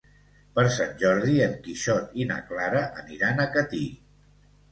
Per Sant Jordi en Quixot i na Clara aniran a Catí.